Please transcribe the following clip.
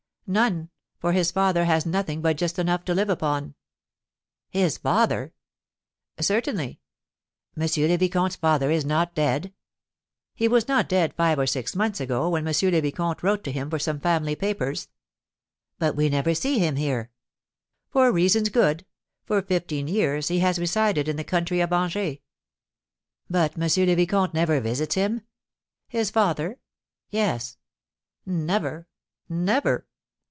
"None; for his father has nothing but just enough to live upon." "His father?" "Certainly." "M. le Vicomte's father is not dead?" "He was not dead five or six months ago when M. le Vicomte wrote to him for some family papers." "But we never see him here?" "For reasons good. For fifteen years he has resided in the country at Angers." "But M. le Vicomte never visits him?" "His father?" "Yes." "Never never!"